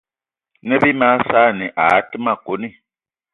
Ne bí mag saanì aa té ma kone.